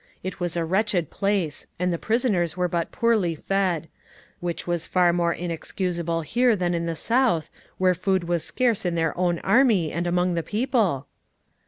It was a wretched place, and the prisoners were but poorly fed; which was far more inexcusable here than at the South, where food was scarce in their own army and among the people."